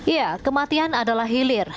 ya kematian adalah hilir